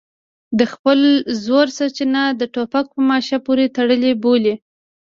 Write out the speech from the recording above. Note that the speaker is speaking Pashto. د خپل زور سرچینه د ټوپک په ماشه پورې تړلې بولي.